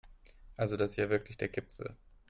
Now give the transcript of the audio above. Also das ist ja wirklich der Gipfel!